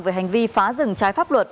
về hành vi phá rừng trái pháp luật